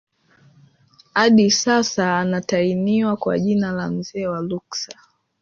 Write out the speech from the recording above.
Hadi sasa anataniwa kwa jina la mzee wa Ruksa